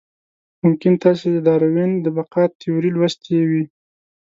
ممکن تاسې د داروېن د بقا تیوري لوستې وي.